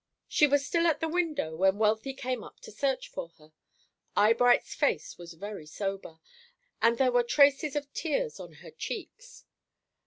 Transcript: She was still at the window when Wealthy came up to search for her. Eyebright's face was very sober, and there were traces of tears on her cheeks.